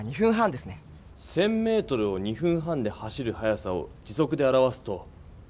１０００メートルを２分半で走る速さを時速で表すと。